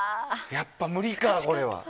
やっぱ無理か、これは。